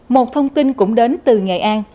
một thông tin cũng đến từ nghệ an